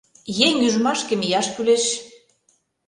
Еҥ ӱжмашке мияш кӱлеш.